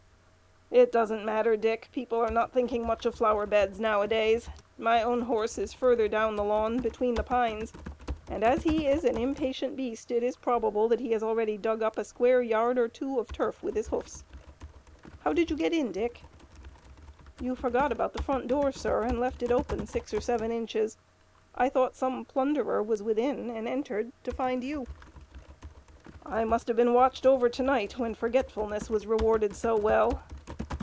"It doesn't matter, Dick. People are not thinking much of flower beds nowadays. My own horse is further down the lawn between the pines, and as he is an impatient beast it is probable that he has already dug up a square yard or two of turf with his hoofs. How did you get in, Dick?" "You forgot about the front door, sir, and left it open six or seven inches. I thought some plunderer was within and entered, to find you." "I must have been watched over to night when forgetfulness was rewarded so well.